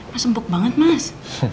mas empuk banget mas